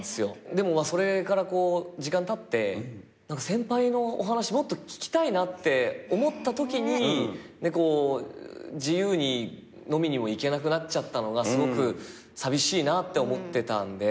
でもそれから時間たって先輩のお話もっと聞きたいなって思ったときに自由に飲みにも行けなくなっちゃったのがすごく寂しいなって思ってたんで。